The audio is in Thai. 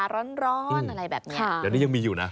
แต่นี่ยังมีอยู่นะ